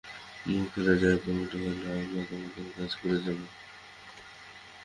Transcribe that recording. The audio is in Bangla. মূর্খেরা যাই বলুক না কেন, আমরা আমাদের কাজ করে যাব।